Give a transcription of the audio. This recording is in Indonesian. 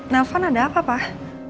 nelfon ada apa pak